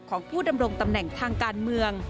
ของผู้ดำรงตำแหน่งทางการเมือง